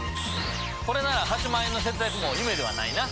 これなら８万円の節約も夢ではないな。